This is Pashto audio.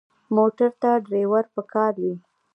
موټر ته ډرېور پکار وي.